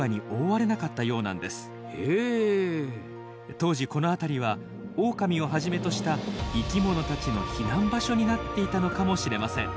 当時この辺りはオオカミをはじめとした生きものたちの避難場所になっていたのかもしれません。